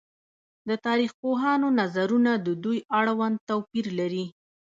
د تاريخ پوهانو نظرونه د دوی اړوند توپير لري